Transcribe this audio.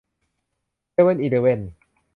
เซเว่นอีเลฟเว่น